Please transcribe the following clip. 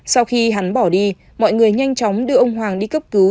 sau khi hắn bỏ đi mọi người nhanh chóng đưa ông hoàng đi cấp cứu